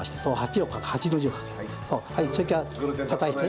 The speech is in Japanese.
それからたたいて。